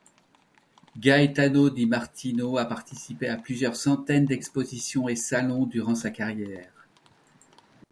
Gaetano di Martino a participé à plusieurs centaines d'expositions et salons durant sa carrière.